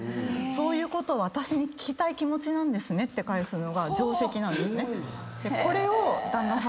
そういうことを私に聞きたい気持ちなんですねって返すのが定石なんですね。